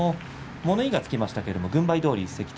物言いがつきましたけれど、軍配どおり関取